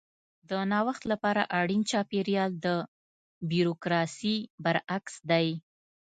د نوښت لپاره اړین چاپېریال د بیوروکراسي برعکس دی.